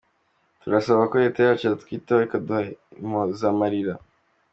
Turasaba ko Leta yacu yatwitaho, ikaduha impozamarira”.